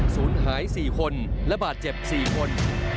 ศูนย์หาย๔คนและบาดเจ็บ๔คน